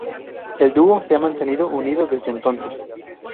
El dúo se ha mantenido unido desde entonces.